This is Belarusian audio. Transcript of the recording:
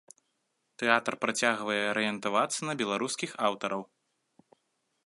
Тэатр працягвае арыентавацца на беларускіх аўтараў.